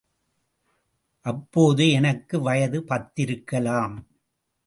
அப்போது எனக்கு வயது பத்து இருக்கலாம்.